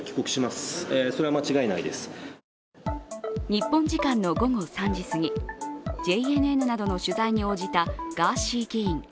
日本時間の午後３時すぎ、ＪＮＮなどの取材に応じたガーシー議員。